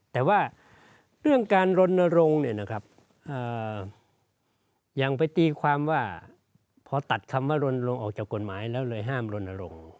แต่ว่าเรื่องการรณรงค์ยังไปตีความว่าพอตัดคำว่ารณรงค์ออกจากกฎหมายแล้วเลยห้ามรณรงค์